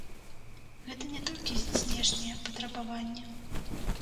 Гэта не толькі знешняе патрабаванне.